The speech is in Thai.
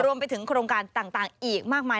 รวมไปถึงโครงการต่างอีกมากมาย